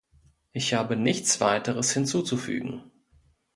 Ich habe nichts weiteres hinzuzufügen.